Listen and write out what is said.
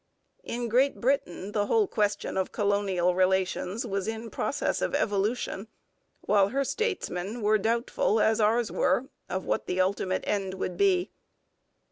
In Great Britain the whole question of colonial relations was in process of evolution, while her statesmen were doubtful, as ours were, of what the ultimate end would be.